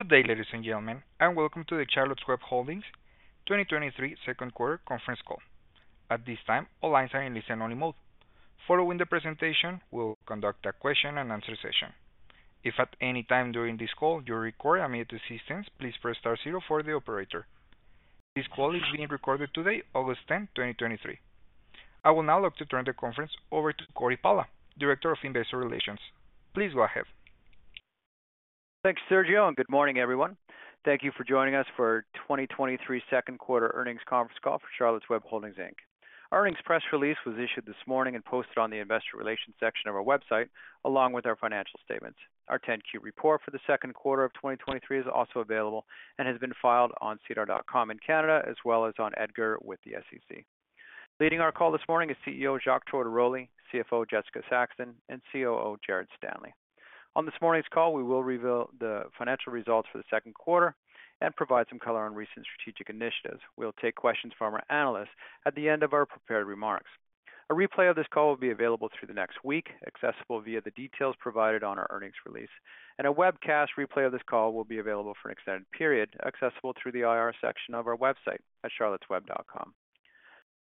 Good day, ladies and gentlemen, and welcome to the Charlotte's Web Holdings 2023 second quarter conference call. At this time, all lines are in listen-only mode. Following the presentation, we'll conduct a question and answer session. If at any time during this call, you require immediate assistance, please press star zero for the operator. This call is being recorded today, August 10th, 2023. I will now look to turn the conference over to Cory Pala, Director of Investor Relations. Please go ahead. Thanks, Sergio. Good morning, everyone. Thank you for joining us for our 2023 second quarter earnings conference call for Charlotte's Web Holdings, Inc. Our earnings press release was issued this morning and posted on the investor relations section of our website, along with our financial statements. Our 10-Q report for the second quarter of 2023 is also available and has been filed on SEDAR in Canada, as well as on EDGAR with the SEC. Leading our call this morning is CEO Jacques Tortoroli, CFO Jessica Saxton, and COO Jared Stanley. On this morning's call, we will reveal the financial results for the second quarter and provide some color on recent strategic initiatives. We'll take questions from our analysts at the end of our prepared remarks. A replay of this call will be available through the next week, accessible via the details provided on our earnings release. A webcast replay of this call will be available for an extended period, accessible through the IR section of our website at charlottesweb.com.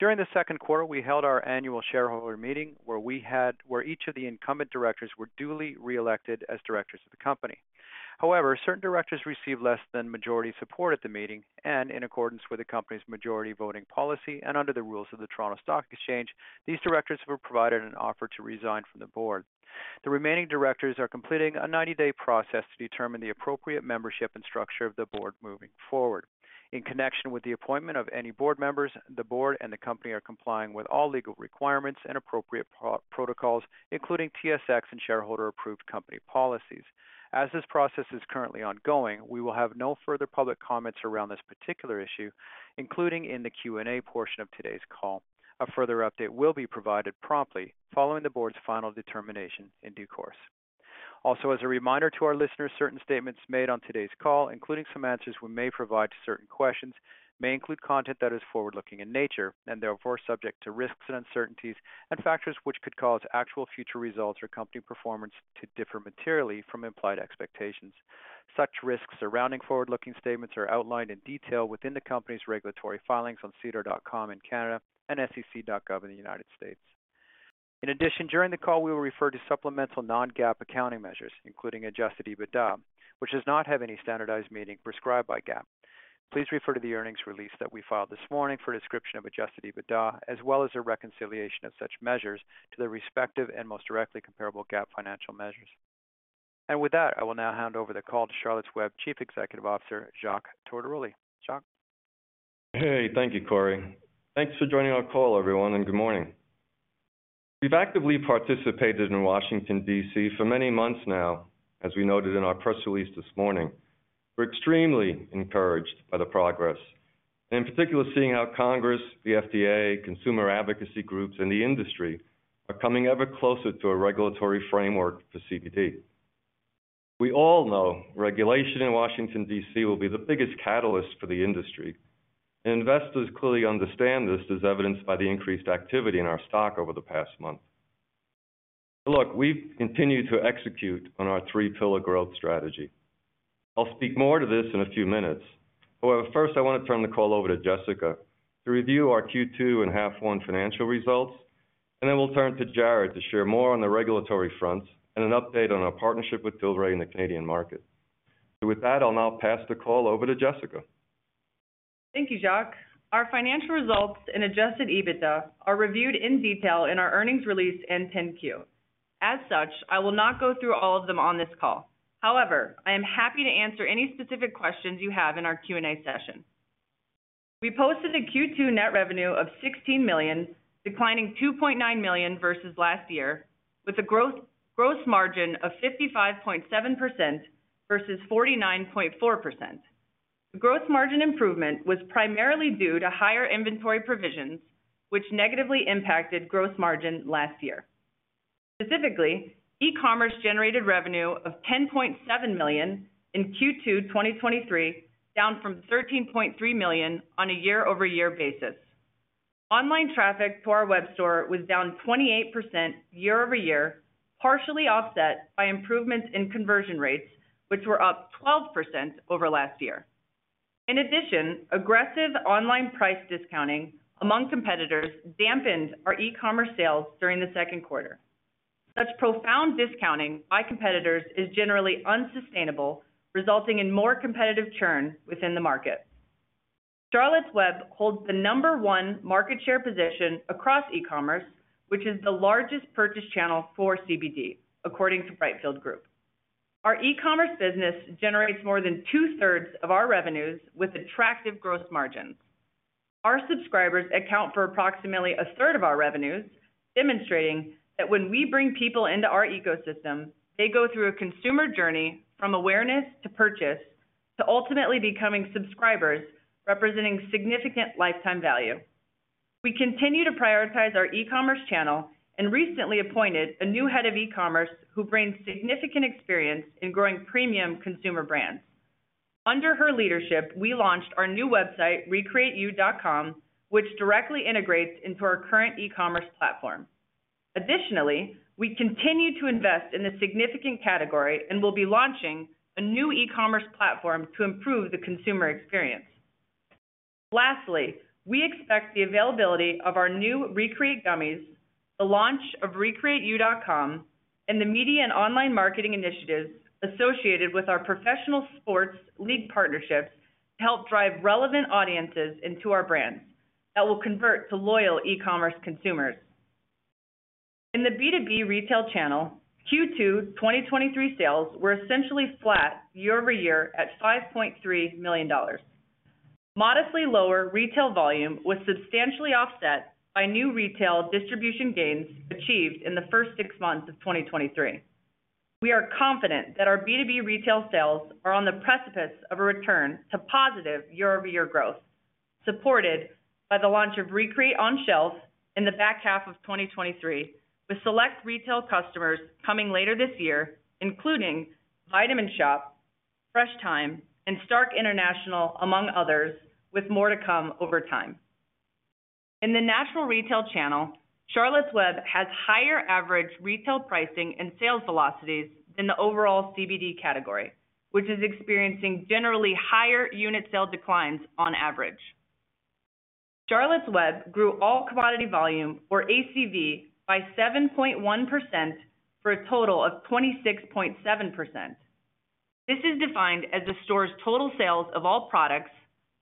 During the second quarter, we held our annual shareholder meeting, where each of the incumbent directors were duly reelected as directors of the company. However, certain directors received less than majority support at the meeting, and in accordance with the company's majority voting policy and under the rules of the Toronto Stock Exchange, these directors were provided an offer to resign from the board. The remaining directors are completing a 90-day process to determine the appropriate membership and structure of the board moving forward. In connection with the appointment of any board members, the board and the company are complying with all legal requirements and appropriate pro-protocols, including TSX and shareholder-approved company policies. As this process is currently ongoing, we will have no further public comments around this particular issue, including in the Q&A portion of today's call. A further update will be provided promptly, following the board's final determination in due course. As a reminder to our listeners, certain statements made on today's call, including some answers we may provide to certain questions, may include content that is forward-looking in nature, and therefore subject to risks and uncertainties, and factors which could cause actual future results or company performance to differ materially from implied expectations. Such risks surrounding forward-looking statements are outlined in detail within the company's regulatory filings on SEDAR in Canada and sec.gov in the United States. During the call, we will refer to supplemental non-GAAP accounting measures, including adjusted EBITDA, which does not have any standardized meaning prescribed by GAAP. Please refer to the earnings release that we filed this morning for a description of adjusted EBITDA, as well as a reconciliation of such measures to the respective and most directly comparable GAAP financial measures. With that, I will now hand over the call to Charlotte's Web Chief Executive Officer, Jacques Tortoroli. Jacques? Hey, thank you, Cory. Thanks for joining our call, everyone, and good morning. We've actively participated in Washington, D.C., for many months now, as we noted in our press release this morning. We're extremely encouraged by the progress, and in particular, seeing how Congress, the FDA, consumer advocacy groups, and the industry are coming ever closer to a regulatory framework for CBD. We all know regulation in Washington, D.C., will be the biggest catalyst for the industry. Investors clearly understand this, as evidenced by the increased activity in our stock over the past month. Look, we've continued to execute on our three-pillar growth strategy. I'll speak more to this in a few minutes. First, I want to turn the call over to Jessica to review our Q2 and half 1 financial results, and then we'll turn to Jared to share more on the regulatory fronts and an update on our partnership with Tilray in the Canadian market. With that, I'll now pass the call over to Jessica. Thank you, Jacques. Our financial results and adjusted EBITDA are reviewed in detail in our earnings release and 10-Q. I will not go through all of them on this call. I am happy to answer any specific questions you have in our Q&A session. We posted a Q2 net revenue of $16 million, declining $2.9 million versus last year, with a gross margin of 55.7% versus 49.4%. The gross margin improvement was primarily due to higher inventory provisions, which negatively impacted gross margin last year. E-commerce generated revenue of $10.7 million in Q2 2023, down from $13.3 million on a year-over-year basis. Online traffic to our web store was down 28% year-over-year, partially offset by improvements in conversion rates, which were up 12% over last year. In addition, aggressive online price discounting among competitors dampened our e-commerce sales during the second quarter. Such profound discounting by competitors is generally unsustainable, resulting in more competitive churn within the market. Charlotte's Web holds the number one market share position across e-commerce, which is the largest purchase channel for CBD, according to Brightfield Group. Our e-commerce business generates more than 2/3s of our revenues with attractive gross margins. Our subscribers account for approximately 1/3 of our revenues, demonstrating that when we bring people into our ecosystem, they go through a consumer journey from awareness to purchase, to ultimately becoming subscribers, representing significant lifetime value. We continue to prioritize our e-commerce channel and recently appointed a new head of e-commerce who brings significant experience in growing premium consumer brands. Under her leadership, we launched our new website, recreateyou.com, which directly integrates into our current e-commerce platform. Additionally, we continue to invest in this significant category, and we'll be launching a new e-commerce platform to improve the consumer experience. Lastly, we expect the availability of our new ReCreate gummies, the launch of recreateyou.com, and the media and online marketing initiatives associated with our professional sports league partnerships, to help drive relevant audiences into our brands that will convert to loyal e-commerce consumers. In the B2B retail channel, Q2 2023 sales were essentially flat year-over-year at $5.3 million. Modestly lower retail volume was substantially offset by new retail distribution gains achieved in the first six months of 2023. We are confident that our B2B retail sales are on the precipice of a return to positive year-over-year growth, supported by the launch of ReCreate on shelves in the back half of 2023, with select retail customers coming later this year, including Vitamin Shoppe, Fresh Thyme, and Starke International, among others, with more to come over time. In the national retail channel, Charlotte's Web has higher average retail pricing and sales velocities than the overall CBD category, which is experiencing generally higher unit sales declines on average. Charlotte's Web grew all commodity volume, or ACV, by 7.1% for a total of 26.7%. This is defined as the store's total sales of all products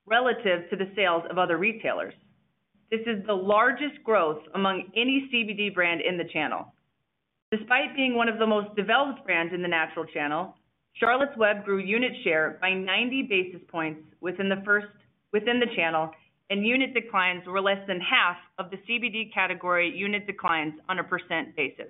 relative to the sales of other retailers. This is the largest growth among any CBD brand in the channel. Despite being one of the most developed brands in the natural channel, Charlotte's Web grew unit share by 90 basis points within the channel, and unit declines were less than half of the CBD category unit declines on a percent basis.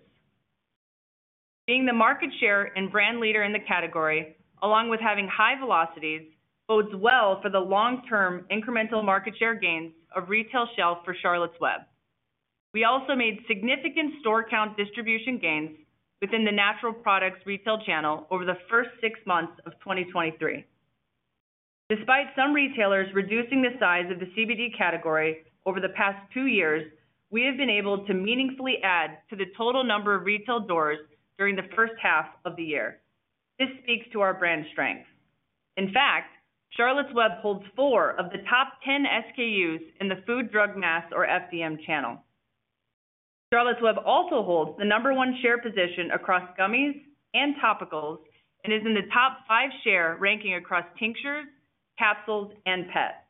Being the market share and brand leader in the category, along with having high velocities, bodes well for the long-term incremental market share gains of retail shelf for Charlotte's Web. We also made significant store count distribution gains within the natural products retail channel over the first six months of 2023. Despite some retailers reducing the size of the CBD category over the past two years, we have been able to meaningfully add to the total number of retail doors during the first half of the year. This speaks to our brand strength. In fact, Charlotte's Web holds four of the top 10 SKUs in the food, drug, mass, or FDM channel. Charlotte's Web also holds the number one share position across gummies and topicals, and is in the top five share ranking across tinctures, capsules, and pet.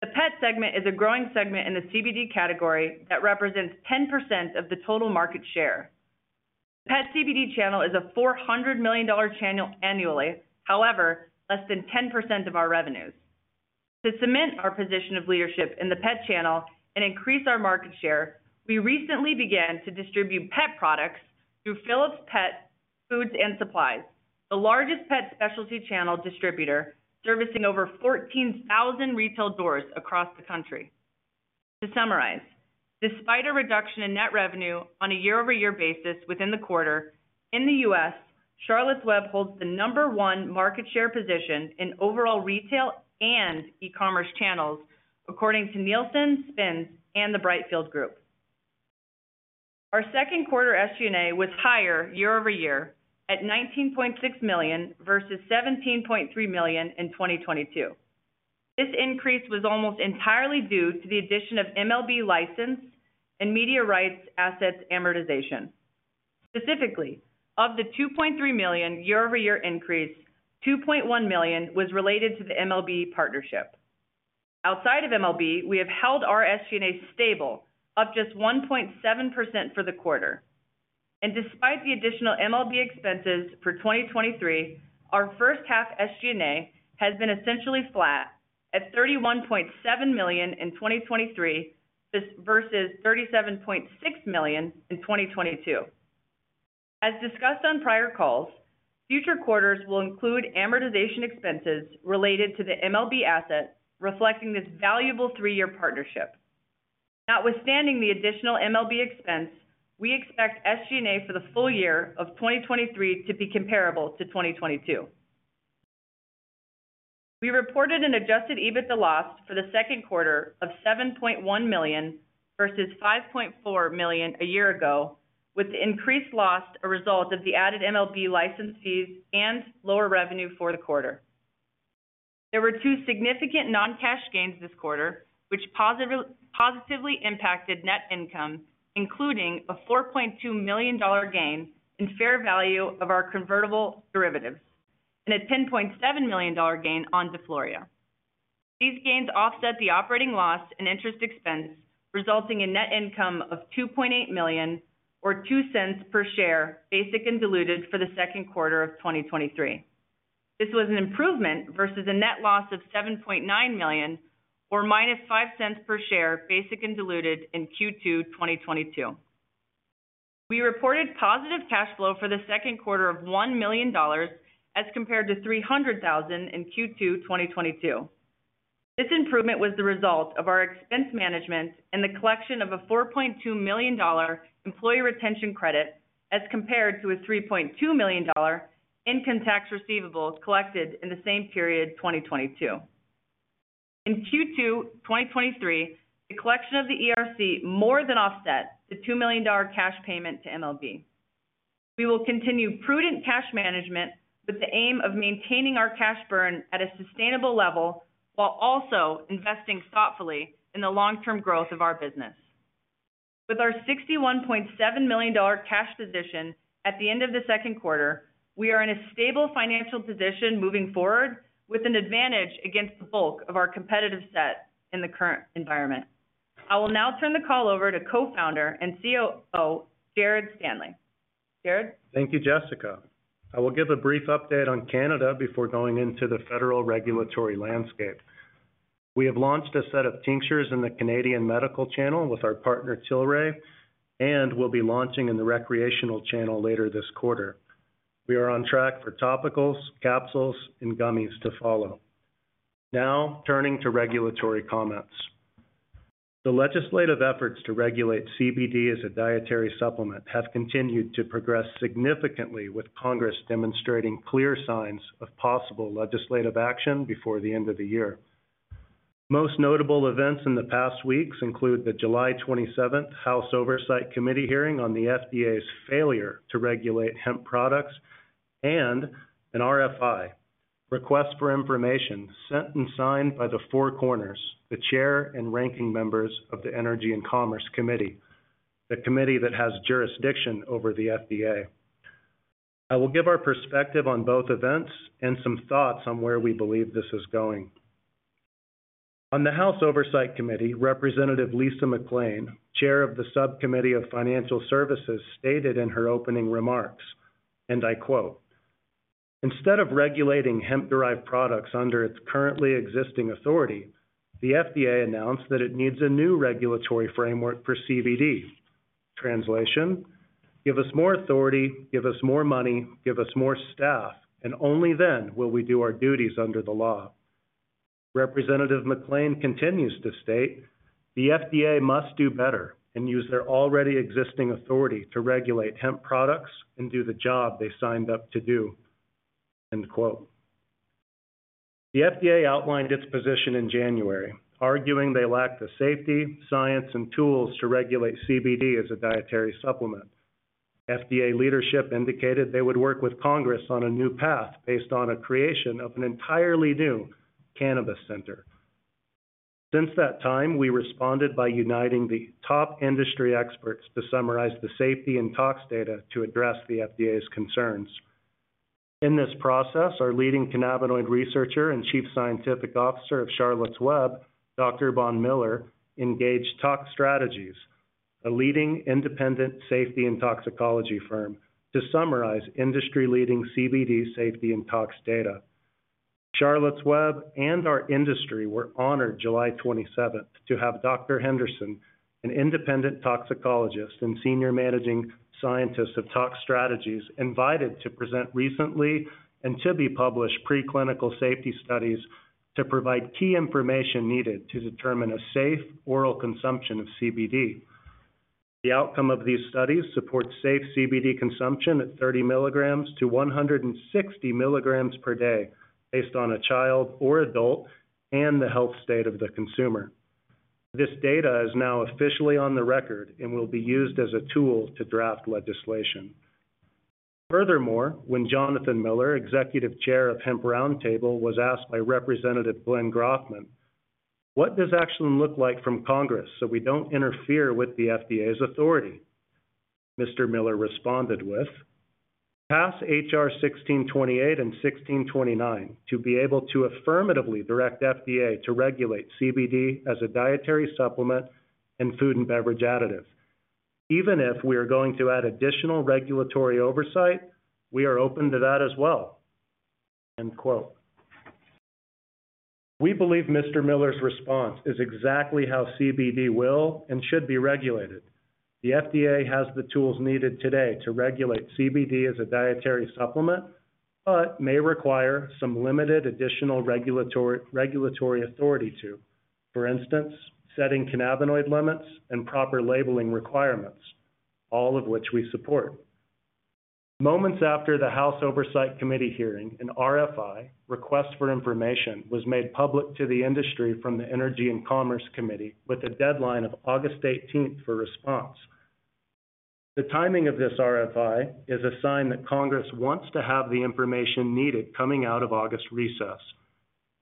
The pet segment is a growing segment in the CBD category that represents 10% of the total market share. Pet CBD channel is a $400 million channel annually, however, less than 10% of our revenues. To cement our position of leadership in the pet channel and increase our market share, we recently began to distribute pet products through Phillips Pet Food & Supplies, the largest pet specialty channel distributor, servicing over 14,000 retail doors across the country. To summarize, despite a reduction in net revenue on a year-over-year basis within the quarter, in the U.S., Charlotte's Web holds the number one market share position in overall retail and e-commerce channels, according to Nielsen, SPINS, and the Brightfield Group. Our second quarter SG&A was higher year-over-year, at $19.6 million versus $17.3 million in 2022. This increase was almost entirely due to the addition of MLB license and media rights assets amortization. Specifically, of the $2.3 million year-over-year increase, $2.1 million was related to the MLB partnership. Outside of MLB, we have held our SG&A stable, up just 1.7% for the quarter. Despite the additional MLB expenses for 2023, our first half SG&A has been essentially flat at $31.7 million in 2023, versus $37.6 million in 2022. As discussed on prior calls, future quarters will include amortization expenses related to the MLB asset, reflecting this valuable three-year partnership. Notwithstanding the additional MLB expense, we expect SG&A for the full year of 2023 to be comparable to 2022. We reported an adjusted EBITDA loss for the second quarter of $7.1 million, versus $5.4 million a year ago, with the increased loss a result of the added MLB license fees and lower revenue for the quarter. There were two significant non-cash gains this quarter, which positively, positively impacted net income, including a $4.2 million gain in fair value of our convertible derivatives, and a $10.7 million gain on DeFloria. These gains offset the operating loss and interest expense, resulting in net income of $2.8 million, or $0.02 per share, basic and diluted, for the second quarter of 2023. This was an improvement versus a net loss of $7.9 million, or -$0.05 per share, basic and diluted, in Q2 2022. We reported positive cash flow for the second quarter of $1 million as compared to $300,000 in Q2 2022. This improvement was the result of our expense management and the collection of a $4.2 million Employee Retention Credit, as compared to a $3.2 million income tax receivables collected in the same period, 2022. In Q2 2023, the collection of the ERC more than offset the $2 million cash payment to MLB. We will continue prudent cash management with the aim of maintaining our cash burn at a sustainable level, while also investing thoughtfully in the long-term growth of our business. With our $61.7 million cash position at the end of the second quarter, we are in a stable financial position moving forward, with an advantage against the bulk of our competitive set in the current environment. I will now turn the call over to Co-Founder and COO, Jared Stanley. Jared? Thank you, Jessica. I will give a brief update on Canada before going into the federal regulatory landscape. We have launched a set of tinctures in the Canadian medical channel with our partner, Tilray, and we'll be launching in the recreational channel later this quarter. We are on track for topicals, capsules, and gummies to follow. Turning to regulatory comments. The legislative efforts to regulate CBD as a dietary supplement have continued to progress significantly, with Congress demonstrating clear signs of possible legislative action before the end of the year. Most notable events in the past weeks include the July 27th House Oversight Committee hearing on the FDA's failure to regulate hemp products, and an RFI, Request for Information, sent and signed by the Four Corners, the chair and ranking members of the Energy and Commerce Committee, the committee that has jurisdiction over the FDA. I will give our perspective on both events and some thoughts on where we believe this is going. On the House Oversight Committee, Representative Lisa McClain, Chair of the Subcommittee of Financial Services, stated in her opening remarks, and I quote, "Instead of regulating hemp-derived products under its currently existing authority, the FDA announced that it needs a new regulatory framework for CBD. Translation: give us more authority, give us more money, give us more staff, and only then will we do our duties under the law." Representative McClain continues to state, "The FDA must do better and use their already existing authority to regulate hemp products and do the job they signed up to do." End quote. The FDA outlined its position in January, arguing they lack the safety, science, and tools to regulate CBD as a dietary supplement. FDA leadership indicated they would work with Congress on a new path, based on a creation of an entirely new cannabis center. Since that time, we responded by uniting the top industry experts to summarize the safety and tox data to address the FDA's concerns. In this process, our leading cannabinoid researcher and Chief Scientific Officer of Charlotte's Web, Dr. Marcel Bonn-Miller, engaged ToxStrategies, a leading independent safety and toxicology firm, to summarize industry-leading CBD safety and tox data. Charlotte's Web and our industry were honored July 27th to have Rayetta Henderson, an independent toxicologist and Senior Managing Scientist of ToxStrategies, invited to present recently and to be published preclinical safety studies to provide key information needed to determine a safe oral consumption of CBD. Furthermore, when Jonathan Miller, Executive Chair of U.S. Hemp Roundtable, was asked by Representative Glenn Grothman, "What does action look like from Congress so we don't interfere with the FDA's authority?" Mr. Miller responded with, "Pass H.R. 1628 and 1629 to be able to affirmatively direct FDA to regulate CBD as a dietary supplement and food and beverage additive. Even if we are going to add additional regulatory oversight, we are open to that as well." We believe Mr. Miller's response is exactly how CBD will and should be regulated. The FDA has the tools needed today to regulate CBD as a dietary supplement, but may require some limited additional regulatory, regulatory authority to, for instance, setting cannabinoid limits and proper labeling requirements, all of which we support. Moments after the House Oversight Committee hearing, an RFI, Request for Information, was made public to the industry from the Energy and Commerce Committee with a deadline of August 18th for response. The timing of this RFI is a sign that Congress wants to have the information needed coming out of August recess.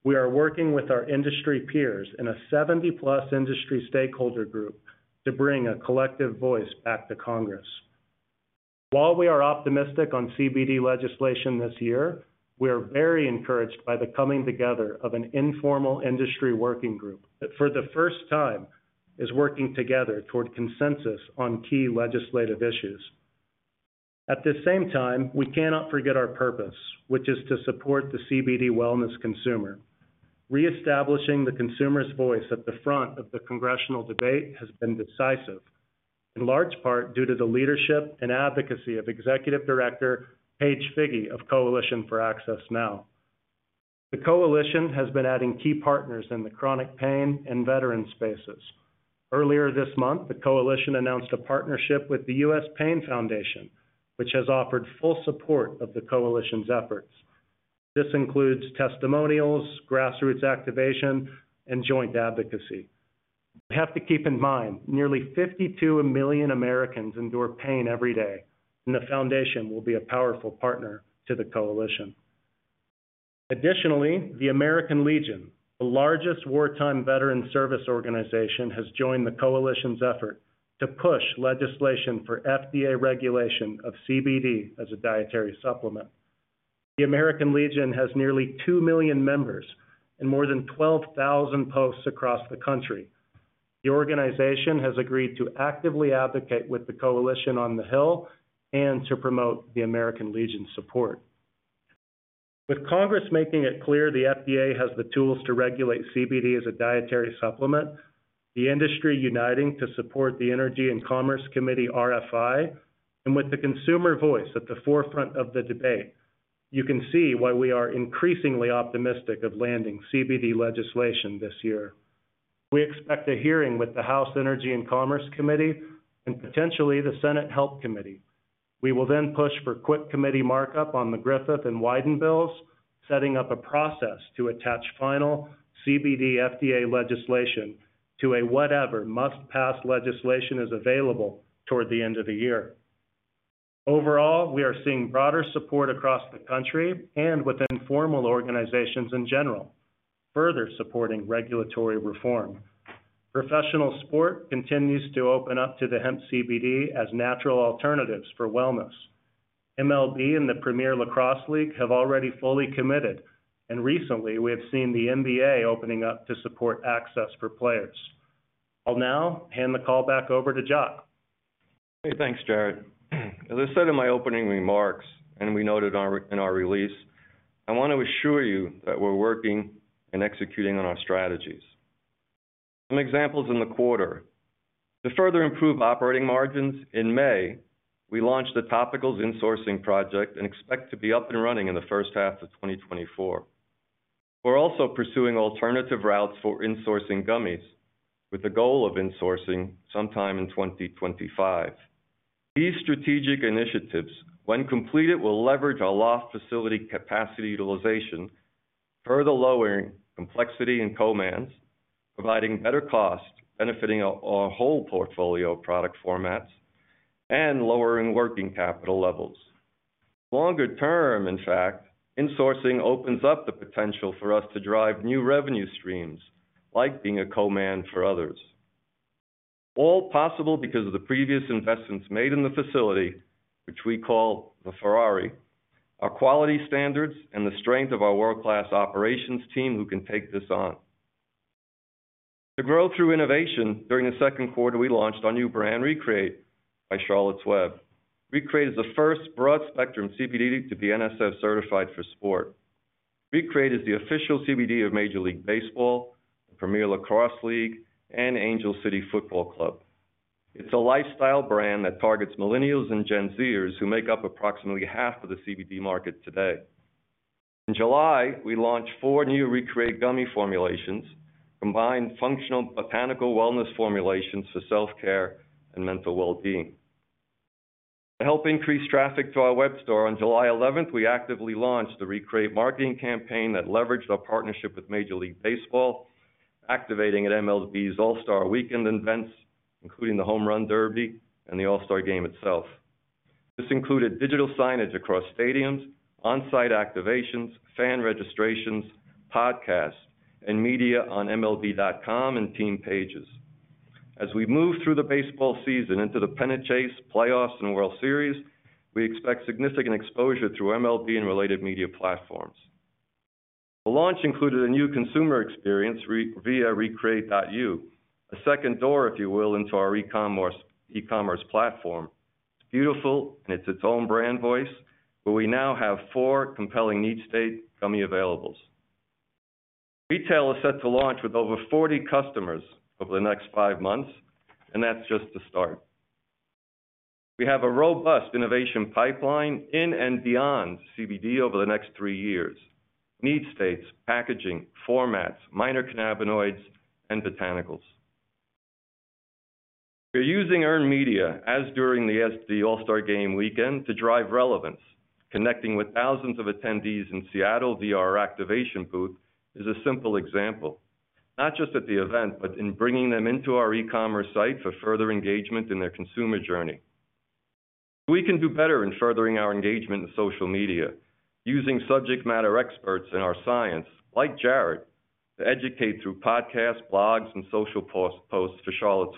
We are working with our industry peers in a 70+ industry stakeholder group to bring a collective voice back to Congress. While we are optimistic on CBD legislation this year, we are very encouraged by the coming together of an informal industry working group that, for the first time, is working together toward consensus on key legislative issues. At the same time, we cannot forget our purpose, which is to support the CBD wellness consumer. Reestablishing the consumer's voice at the front of the congressional debate has been decisive, in large part due to the leadership and advocacy of Executive Director Paige Figi of Coalition for Access Now. The Coalition has been adding key partners in the chronic pain and veteran spaces. Earlier this month, the Coalition announced a partnership with the U.S. Pain Foundation, which has offered full support of the Coalition's efforts. This includes testimonials, grassroots activation, and joint advocacy. We have to keep in mind, nearly 52 million Americans endure pain every day, and the foundation will be a powerful partner to the Coalition. Additionally, The American Legion, the largest wartime veteran service organization, has joined the Coalition's effort to push legislation for FDA regulation of CBD as a dietary supplement. The American Legion has nearly 2 million members and more than 12,000 posts across the country. The organization has agreed to actively advocate with the coalition on the Hill and to promote The American Legion support. With Congress making it clear the FDA has the tools to regulate CBD as a dietary supplement, the industry uniting to support the Energy and Commerce Committee RFI, with the consumer voice at the forefront of the debate, you can see why we are increasingly optimistic of landing CBD legislation this year. We expect a hearing with the House Energy and Commerce Committee and potentially the Senate Health Committee. We will push for quick committee markup on the Griffith and Wyden bills, setting up a process to attach final CBD FDA legislation to a whatever must-pass legislation is available toward the end of the year. Overall, we are seeing broader support across the country and within formal organizations in general, further supporting regulatory reform. Professional sport continues to open up to the hemp CBD as natural alternatives for wellness. MLB and the Premier Lacrosse League have already fully committed, and recently, we have seen the NBA opening up to support access for players. I'll now hand the call back over to Jacques. Hey, thanks, Jared. As I said in my opening remarks, we noted in our release, I want to assure you that we're working and executing on our strategies. Some examples in the quarter. To further improve operating margins, in May, we launched a topicals insourcing project and expect to be up and running in the first half of 2024. We're also pursuing alternative routes for insourcing gummies, with the goal of insourcing sometime in 2025. These strategic initiatives, when completed, will leverage our loft facility capacity utilization, further lowering complexity and co-mans, providing better cost, benefiting our whole portfolio of product formats, and lowering working capital levels. Longer term, in fact, insourcing opens up the potential for us to drive new revenue streams, like being a co-man for others. All possible because of the previous investments made in the facility, which we call the Ferrari, our quality standards, and the strength of our world-class operations team who can take this on. To grow through innovation, during the second quarter, we launched our new brand, ReCreate by Charlotte's Web. ReCreate is the first broad-spectrum CBD to be NSF-certified for sport. ReCreate is the official CBD of Major League Baseball, Premier Lacrosse League, and Angel City Football Club. It's a lifestyle brand that targets millennials and Gen Zers, who make up approximately half of the CBD market today. In July, we launched four new ReCreate gummy formulations, combined functional botanical wellness formulations for self-care and mental well-being. To help increase traffic to our web store, on July 11th, we actively launched the ReCreate marketing campaign that leveraged our partnership with Major League Baseball, activating at MLB's All-Star Weekend events, including the Home Run Derby and the All-Star Game itself. This included digital signage across stadiums, on-site activations, fan registrations, podcasts, and media on MLB.com and team pages. As we move through the baseball season into the pennant chase, playoffs, and World Series, we expect significant exposure through MLB and related media platforms. The launch included a new consumer experience via recreateyou.com, a second door, if you will, into our e-commerce platform. It's beautiful, and it's its own brand voice, where we now have four compelling need-state gummy availables. Retail is set to launch with over 40 customers over the next five months, and that's just the start. We have a robust innovation pipeline in and beyond CBD over the next three years. Need states, packaging, formats, minor cannabinoids, and botanicals. We're using earned media, as during the All-Star Game weekend, to drive relevance. Connecting with thousands of attendees in Seattle via our activation booth is a simple example, not just at the event, but in bringing them into our e-commerce site for further engagement in their consumer journey. We can do better in furthering our engagement in social media, using subject matter experts in our science, like Jared, to educate through podcasts, blogs, and social posts for Charlotte's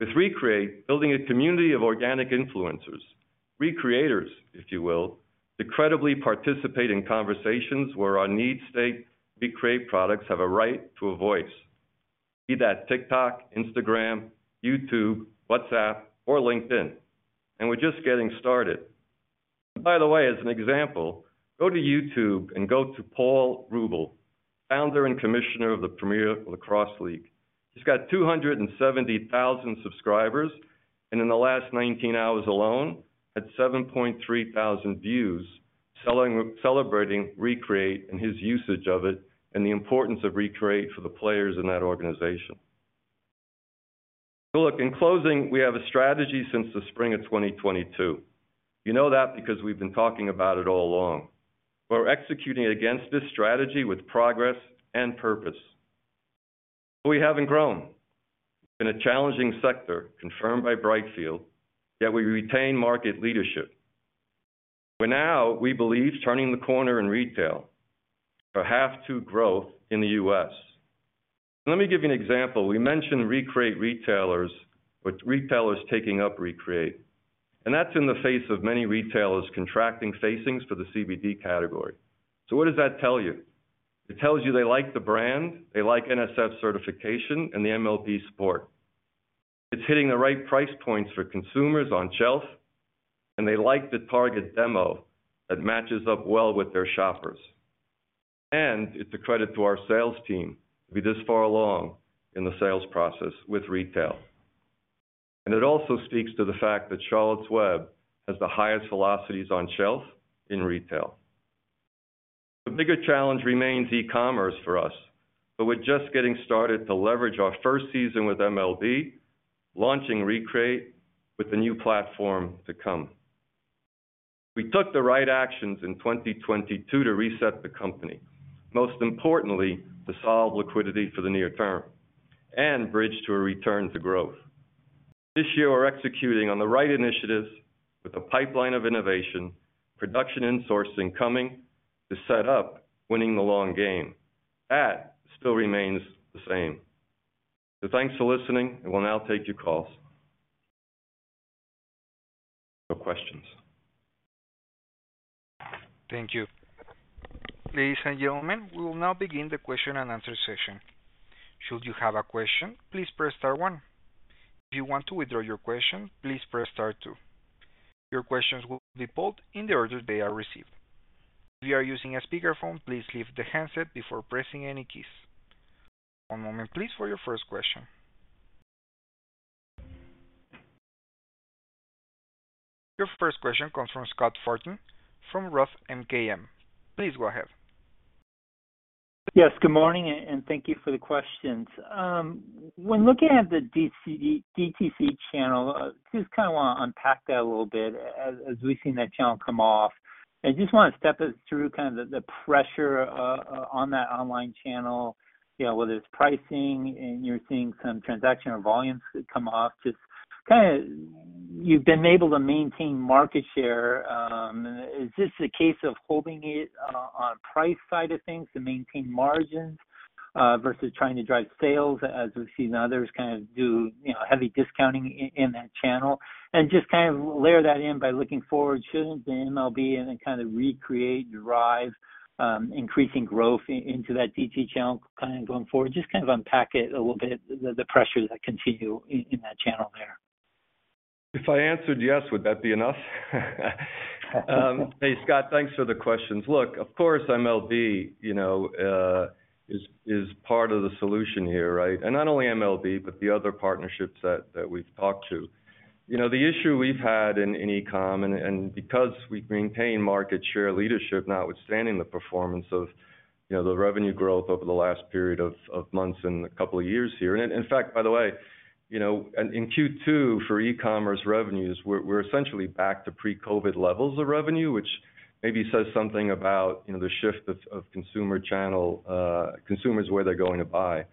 Web. With ReCreate, building a community of organic influencers, Re-creators, if you will, to credibly participate in conversations where our need-state ReCreate products have a right to a voice, be that TikTok, Instagram, YouTube, WhatsApp, or LinkedIn. We're just getting started. By the way, as an example, go to YouTube and go to Paul Rabil, founder and commissioner of the Premier Lacrosse League. He's got 270,000 subscribers, and in the last 19 hours alone, had 7,300 views. Selling, celebrating ReCreate and his usage of it, and the importance of ReCreate for the players in that organization. Look, in closing, we have a strategy since the spring of 2022. You know that because we've been talking about it all along. We're executing against this strategy with progress and purpose. We haven't grown in a challenging sector, confirmed by Brightfield, yet we retain market leadership, where now we believe turning the corner in retail for half to growth in the U.S. Let me give you an example. We mentioned ReCreate retailers, with retailers taking up ReCreate, that's in the face of many retailers contracting facings for the CBD category. What does that tell you? It tells you they like the brand, they like NSF certification and the MLB support. It's hitting the right price points for consumers on shelf, and they like the target demo that matches up well with their shoppers. It's a credit to our sales team to be this far along in the sales process with retail. It also speaks to the fact that Charlotte's Web has the highest velocities on shelf in retail. The bigger challenge remains e-commerce for us, but we're just getting started to leverage our first season with MLB, launching ReCreate with the new platform to come. We took the right actions in 2022 to reset the company, most importantly, to solve liquidity for the near term and bridge to a return to growth. This year, we're executing on the right initiatives with a pipeline of innovation, production, and sourcing coming to set up winning the long game. That still remains the same. Thanks for listening, and we'll now take your calls. For questions. Thank you. Ladies and gentlemen, we will now begin the question and answer session. Should you have a question, please press star one. If you want to withdraw your question, please press star two. Your questions will be pulled in the order they are received. If you are using a speakerphone, please leave the handset before pressing any keys. One moment, please, for your first question. Your first question comes from Scott Stember, from Roth MKM. Please go ahead. Yes, good morning, and thank you for the questions. When looking at the DTC channel, just kind of want to unpack that a little bit as we've seen that channel come off. I just want to step us through kind of the pressure on that online channel, you know, whether it's pricing and you're seeing some transactional volumes come off, just kind of you've been able to maintain market share. Is this a case of holding it on price side of things to maintain margins versus trying to drive sales, as we've seen others kind of do, you know, heavy discounting in that channel? Just kind of layer that in by looking forward, shouldn't the MLB and then kind of ReCreate derive increasing growth into that DTC channel, kind of going forward? Just kind of unpack it a little bit, the, the pressures that continue in, in that channel there. If I answered yes, would that be enough? Hey, Scott, thanks for the questions. Look, of course, MLB, you know, is, is part of the solution here, right? Not only MLB, but the other partnerships that, that we've talked to. You know, the issue we've had in, in e-com, and, and because we've maintained market share leadership, notwithstanding the performance of, you know, the revenue growth over the last period of, of months and a couple of years here. In fact, by the way, you know, and in Q2, for e-commerce revenues, we're, we're essentially back to pre-COVID levels of revenue, which maybe says something about, you know, the shift of, of consumer channel, consumers, where they're going to buy.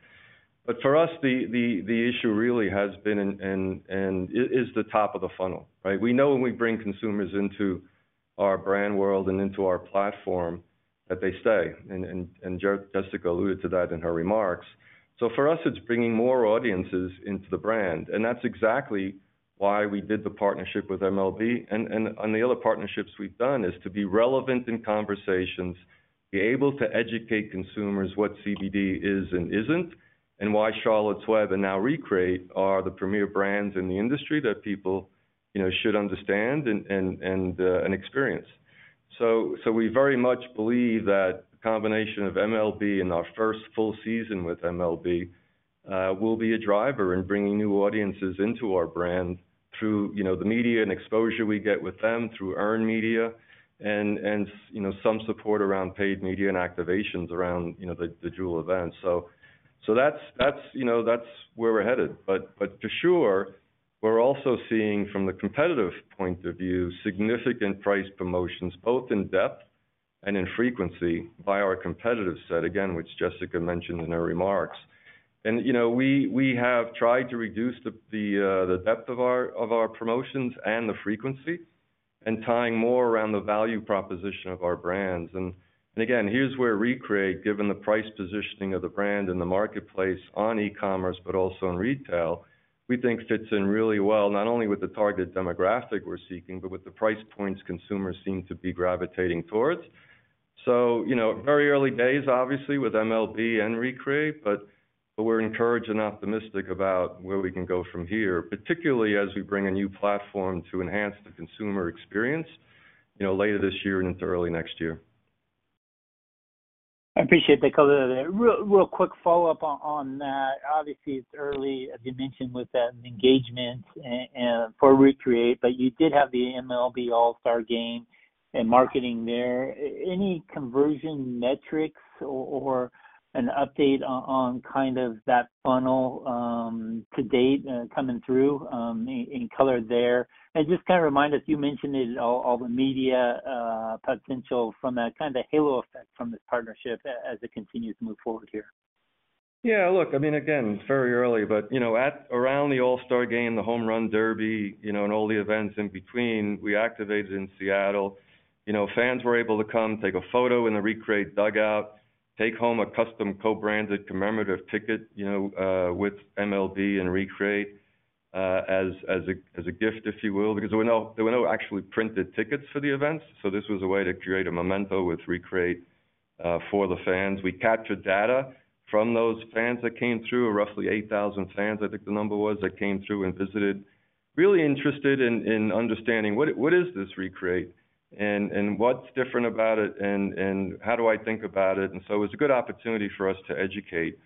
For us, the, the, the issue really has been and, and, and is the top-of-the-funnel, right? We know when we bring consumers into our brand world and into our platform, that they stay, and Jessica alluded to that in her remarks. For us, it's bringing more audiences into the brand, and that's exactly why we did the partnership with MLB. On the other partnerships we've done, is to be relevant in conversations, be able to educate consumers what CBD is and isn't, and why Charlotte's Web and now ReCreate are the premier brands in the industry that people, you know, should understand and experience. So we very much believe that the combination of MLB and our first full season with MLB will be a driver in bringing new audiences into our brand through, you know, the media and exposure we get with them, through earned media and, and, you know, some support around paid media and activations around, you know, the dual events. So that's, that's, you know, that's where we're headed. But for sure, we're also seeing, from the competitive point of view, significant price promotions, both in depth and in frequency by our competitive set, again, which Jessica mentioned in her remarks. You know, we have tried to reduce the depth of our promotions and the frequency, and tying more around the value proposition of our brands. Again, here's where ReCreate, given the price positioning of the brand in the marketplace, on e-commerce, but also in retail, we think fits in really well, not only with the target demographic we're seeking, but with the price points consumers seem to be gravitating towards. You know, very early days, obviously, with MLB and ReCreate, but, but we're encouraged and optimistic about where we can go from here, particularly as we bring a new platform to enhance the consumer experience, you know, later this year and into early next year. I appreciate that color. A real, real quick follow-up on, on that. Obviously, it's early, as you mentioned, with that engagement and, and for ReCreate, but you did have the MLB All-Star Game and marketing there. Any conversion metrics or, or an update on, on kind of that funnel, to date, coming through, in, in color there? Just kind of remind us, you mentioned it, all, all the media, potential from that kind of halo effect from this partnership as it continues to move forward here. Yeah, look, I mean, again, it's very early, but, you know, at around the All-Star Game, the Home Run Derby, you know, and all the events in between, we activated in Seattle. You know, fans were able to come take a photo in the ReCreate dugout, take home a custom co-branded commemorative ticket, you know, with MLB and ReCreate, as, as a, as a gift, if you will, because there were no, there were no actually printed tickets for the events. This was a way to create a memento with ReCreate, for the fans. We captured data from those fans that came through, roughly 8,000 fans, I think the number was, that came through and visited. Really interested in, in understanding what is, what is this ReCreate? What's different about it, and, and how do I think about it? It was a good opportunity for us to educate.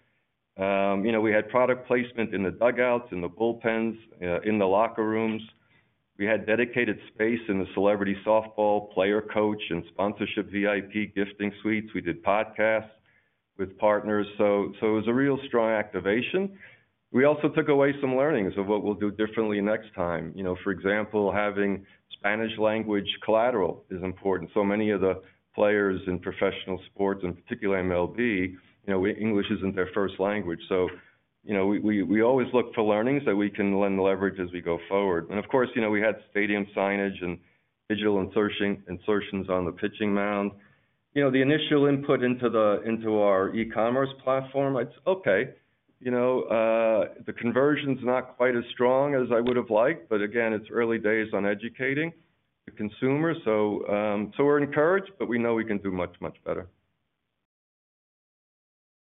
You know, we had product placement in the dugouts, in the bullpens, in the locker rooms. We had dedicated space in the celebrity softball player, coach, and sponsorship VIP gifting suites. We did podcasts with partners, so it was a real strong activation. We also took away some learnings of what we'll do differently next time. You know, for example, having Spanish language collateral is important. Many of the players in professional sports, and particularly MLB, you know, English isn't their first language. You know, we always look for learnings that we can lend leverage as we go forward. Of course, you know, we had stadium signage and digital insertions on the pitching mound. You know, the initial input into our e-commerce platform, it's okay. You know, the conversion's not quite as strong as I would have liked, but again, it's early days on educating the consumer. So we're encouraged, but we know we can do much, much better.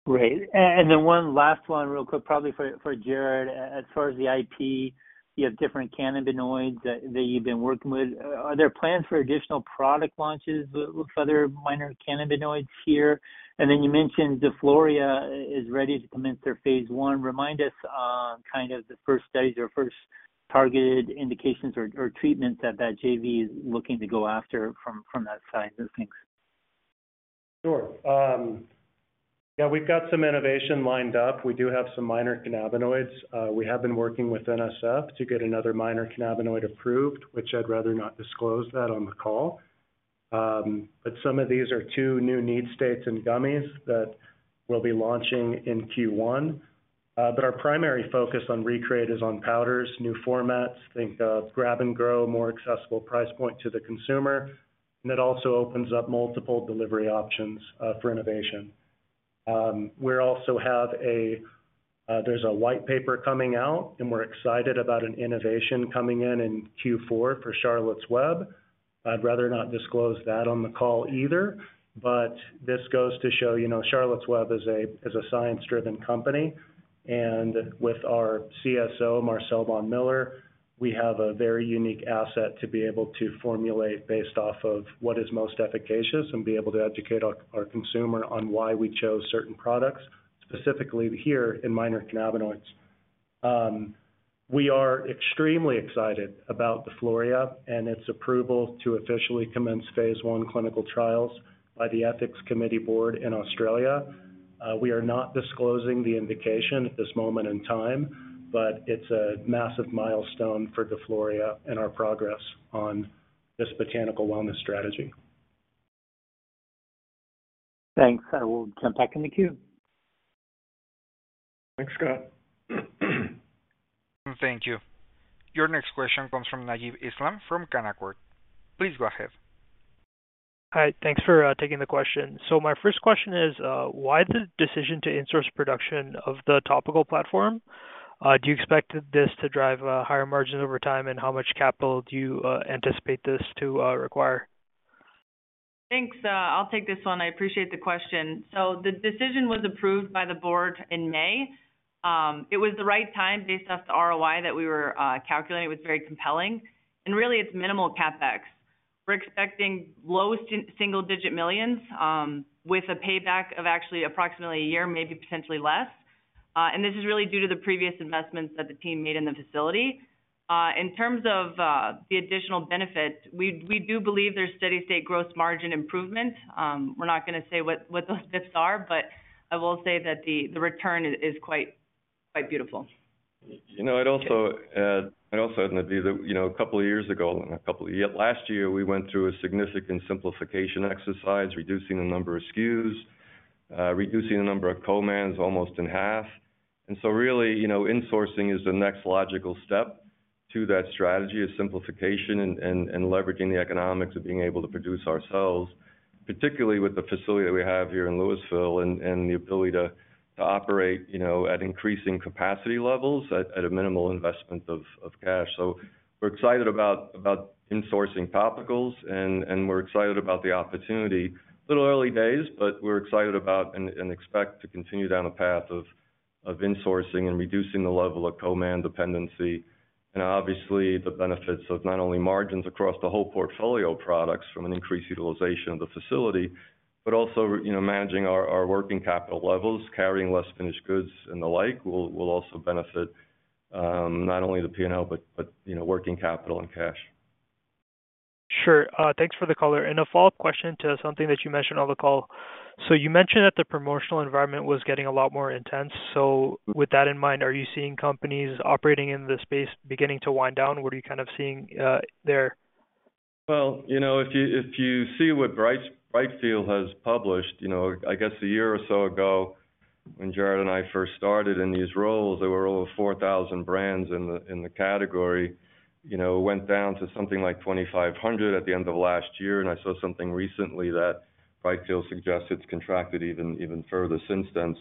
Great. One last one, real quick, probably for, for Jared Stanley. As far as the IP, you have different cannabinoids that, that you've been working with. Are there plans for additional product launches with other minor cannabinoids here? You mentioned DeFloria is ready to commence their phase I. Remind us on kind of the first studies or first targeted indications or, or treatments that that JV is looking to go after from, from that side of things. Sure. Yeah, we've got some innovation lined up. We do have some minor cannabinoids. We have been working with NSF to get another minor cannabinoid approved, which I'd rather not disclose that on the call. Some of these are two new need states and gummies that we'll be launching in Q1. Our primary focus on ReCreate is on powders, new formats. Think of grab and go, more accessible price point to the consumer, and it also opens up multiple delivery options for innovation. We also have a there's a white paper coming out, and we're excited about an innovation coming in in Q4 for Charlotte's Web. I'd rather not disclose that on the call either, this goes to show, you know, Charlotte's Web is a, is a science-driven company, with our CSO, Marcel Bonn-Miller, we have a very unique asset to be able to formulate based off of what is most efficacious and be able to educate our, our consumer on why we chose certain products, specifically here in minor cannabinoids. We are extremely excited about DeFloria and its approval to officially commence phase I clinical trials by the Ethics Committee Board in Australia. We are not disclosing the indication at this moment in time, but it's a massive milestone for DeFloria and our progress on this botanical wellness strategy. Thanks. I will jump back in the queue. Thanks, Scott. Thank you. Your next question comes from Najib Islam from Canaccord. Please go ahead. Hi, thanks for taking the question. My first question is, why the decision to insource production of the topical platform? Do you expect this to drive higher margins over time? How much capital do you anticipate this to require? Thanks. I'll take this one. I appreciate the question. The decision was approved by the board in May. It was the right time based off the ROI that we were calculating. It was very compelling, and really it's minimal CapEx. We're expecting low-single-digit millions, with a payback of actually approximately one year, maybe potentially less. This is really due to the previous investments that the team made in the facility. In terms of the additional benefit, we do believe there's steady state gross margin improvement. We're not going to say what those lifts are, but I will say that the return is quite, quite beautiful. You know, I'd also add, I'd also add, Najib, that, you know, a couple of years ago, a couple, last year, we went through a significant simplification exercise, reducing the number of SKUs, reducing the number of co-mans almost in half. So really, you know, insourcing is the next logical step to that strategy of simplification and leveraging the economics of being able to produce ourselves, particularly with the facility that we have here in Louisville and the ability to operate, you know, at increasing capacity levels at a minimal investment of cash. We're excited about insourcing topicals, and we're excited about the opportunity. Little early days, we're excited about and expect to continue down a path of... of insourcing and reducing the level of co-man dependency, and obviously, the benefits of not only margins across the whole portfolio of products from an increased utilization of the facility, but also, you know, managing our, our working capital levels, carrying less finished goods and the like, will, will also benefit, not only the P&L, but, but, you know, working capital and cash. Sure. thanks for the color. A follow-up question to something that you mentioned on the call. You mentioned that the promotional environment was getting a lot more intense. With that in mind, are you seeing companies operating in the space beginning to wind down? What are you kind of seeing there? You know, if you, if you see what Brightfield has published, you know, I guess a year or so ago, when Jared and I first started in these roles, there were over 4,000 brands in the, in the category. You know, it went down to something like 2,500 at the end of last year, and I saw something recently that Brightfield suggests it's contracted even, even further since then.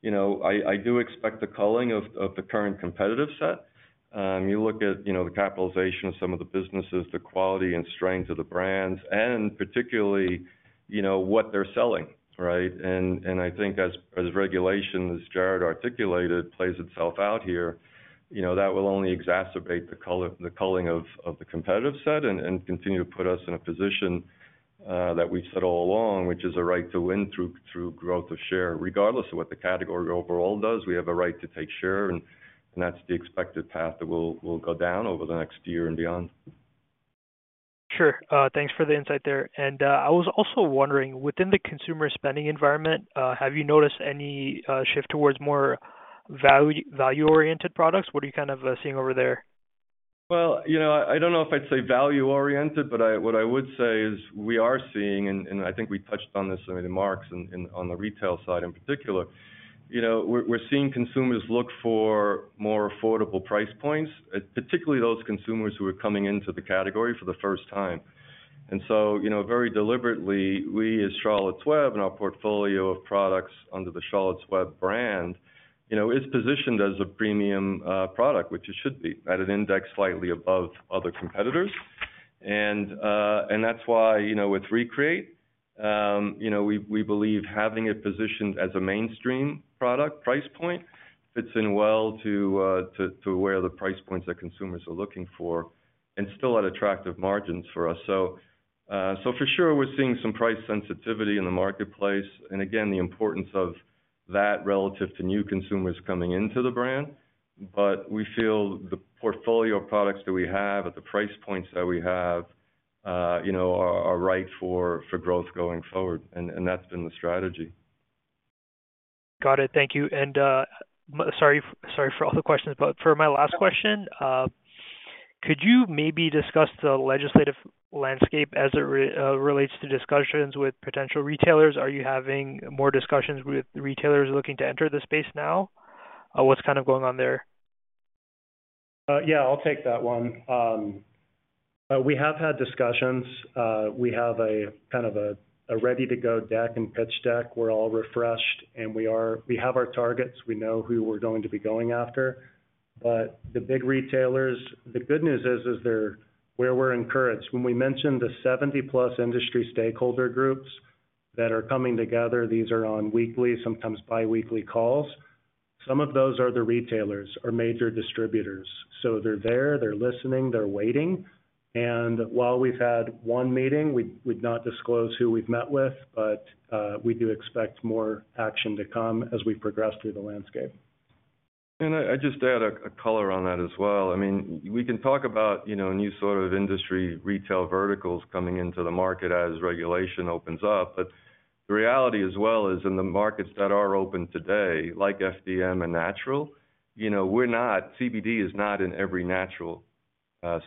You know, I, I do expect the culling of, of the current competitive set. You look at, you know, the capitalization of some of the businesses, the quality and strength of the brands, and particularly, you know, what they're selling, right? I think as, as regulation, as Jared articulated, plays itself out here, you know, that will only exacerbate the cull, the culling of, of the competitive set and continue to put us in a position that we've said all along, which is a right to win through, through growth of share. Regardless of what the category overall does, we have a right to take share, and that's the expected path that we'll, we'll go down over the next year and beyond. Sure. Thanks for the insight there. I was also wondering, within the consumer spending environment, have you noticed any shift towards more value, value-oriented products? What are you kind of seeing over there? Well, you know, I don't know if I'd say value-oriented, but what I would say is we are seeing, and I think we touched on this, I mean, Marks on, on the retail side in particular, you know, we're seeing consumers look for more affordable price points, particularly those consumers who are coming into the category for the first time. You know, very deliberately, we as Charlotte's Web and our portfolio of products under the Charlotte's Web brand, you know, is positioned as a premium product, which it should be, at an index slightly above other competitors. That's why, you know, with ReCreate, you know, we, we believe having it positioned as a mainstream product price point fits in well to, to, to where the price points that consumers are looking for and still at attractive margins for us. For sure, we're seeing some price sensitivity in the marketplace, and again, the importance of that relative to new consumers coming into the brand. We feel the portfolio of products that we have at the price points that we have, you know, are, are right for, for growth going forward, and, and that's been the strategy. Got it. Thank you. Sorry, sorry for all the questions, but for my last question, could you maybe discuss the legislative landscape as it relates to discussions with potential retailers? Are you having more discussions with retailers looking to enter the space now? What's kind of going on there? Yeah, I'll take that one. We have had discussions. We have a kind of a ready-to-go deck and pitch deck. We're all refreshed, and we have our targets. We know who we're going to be going after. The big retailers, the good news is, is they're where we're encouraged. When we mentioned the 70-plus industry stakeholder groups that are coming together, these are on weekly, sometimes biweekly calls. Some of those are the retailers or major distributors, so they're there, they're listening, they're waiting. While we've had one meeting, we'd not disclose who we've met with, we do expect more action to come as we progress through the landscape. I'd just add a color on that as well. I mean, we can talk about, you know, new sort of industry, retail verticals coming into the market as regulation opens up. The reality as well is in the markets that are open today, like FDM and Natural, you know, we're not CBD is not in every natural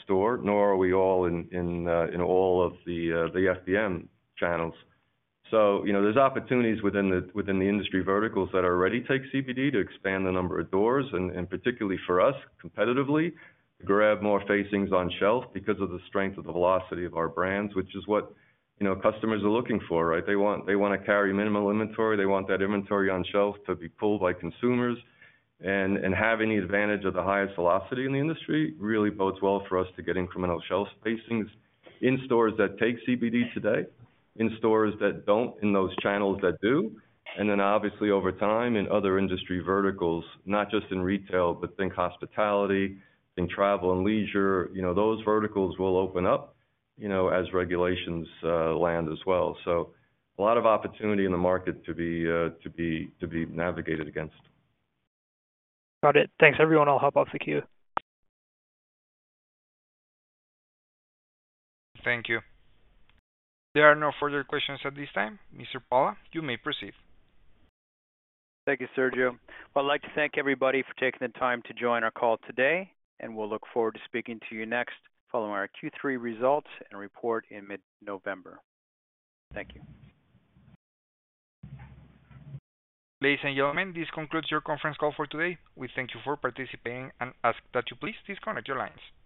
store, nor are we all in all of the FDM channels. You know, there's opportunities within the industry verticals that already take CBD to expand the number of doors, and particularly for us, competitively, grab more facings on shelf because of the strength of the velocity of our brands, which is what, you know, customers are looking for, right? They want to carry minimal inventory. They want that inventory on shelf to be pulled by consumers. Having the advantage of the highest velocity in the industry really bodes well for us to get incremental shelf spacings in stores that take CBD today, in stores that don't, in those channels that do, and then obviously, over time, in other industry verticals, not just in retail, but think hospitality and travel and leisure. You know, those verticals will open up, you know, as regulations land as well. A lot of opportunity in the market to be, to be, to be navigated against. Got it. Thanks, everyone. I'll hop off the queue. Thank you. There are no further questions at this time. Mr. Pala, you may proceed. Thank you, Sergio. I'd like to thank everybody for taking the time to join our call today, and we'll look forward to speaking to you next, following our Q3 results and report in mid-November. Thank you. Ladies and gentlemen, this concludes your conference call for today. We thank you for participating and ask that you please disconnect your lines. Thank you.